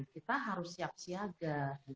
kita harus siap siaga